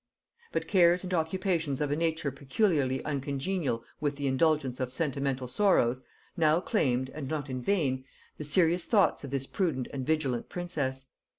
But cares and occupations of a nature peculiarly uncongenial with the indulgence of sentimental sorrows, now claimed, and not in vain, the serious thoughts of this prudent and vigilant princess.